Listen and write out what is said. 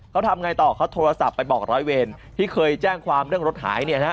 เขาทำไงต่อเขาโทรศัพท์ไปบอกร้อยเวรที่เคยแจ้งความเรื่องรถหายเนี่ยนะฮะ